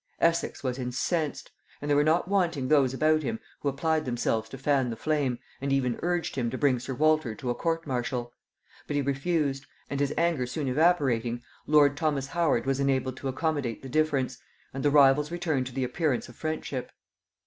Essex was incensed; and there were not wanting those about him who applied themselves to fan the flame, and even urged him to bring sir Walter to a court martial: but he refused; and his anger soon evaporating, lord Thomas Howard was enabled to accommodate the difference, and the rivals returned to the appearance of friendship.